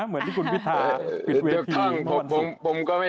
เหมือนที่คุณพิธาปิดเวที